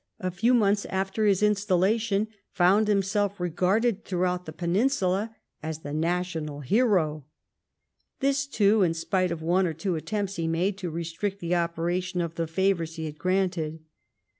a few months after his installation, found himself regarded throughout the peninsula as the national hero. This, too, in spite of one or two attempts he made to restrict the operation of the favours he had granted.